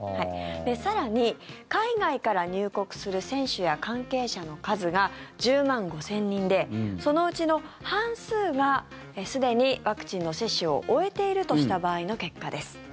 更に、海外から入国する選手や関係者の数が１０万５０００人でそのうちの半数がすでにワクチンの接種を終えているとした場合の結果です。